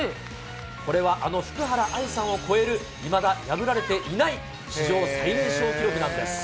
これはあの福原愛さんを超えるいまだ破られていない史上最年少記録なんです。